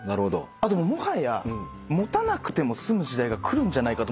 あともはや持たなくても済む時代がくるんじゃないかと。